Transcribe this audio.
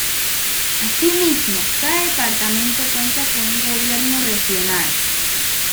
Asimismo, cada departamento cuenta con un gobierno regional.